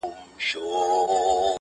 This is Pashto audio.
د میوند شهیده مځکه د پردي پلټن مورچل دی-